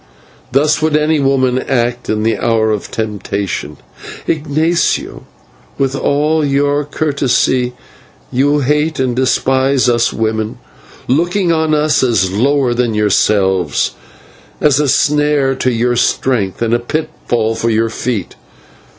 Thus would any woman act in the hour of temptation.' Ignatio, with all your courtesy, you hate and despise us women, looking on us as lower then yourselves, as a snare to your strength and a pitfall for your feet.